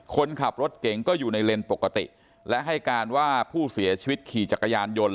คนขับรถเก่งก็อยู่ในเลนส์ปกติและให้การว่าผู้เสียชีวิตขี่จักรยานยนต์